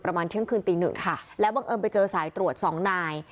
ประมาณเที่ยงคืนตีหนึ่งค่ะแล้วบังเอิญไปเจอสายตรวจสองนาย